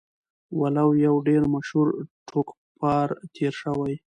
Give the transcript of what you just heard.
وَلُو يو ډير مشهور ټوکپار تير شوی